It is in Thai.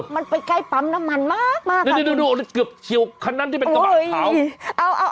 มันไปใกล้ปั๊มน้ำมันมากมากแล้วนี่ดูเกือบเฉียวคันนั้นที่เป็นกระบะขาว